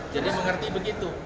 jadi mengerti begitu